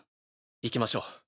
行きましょう。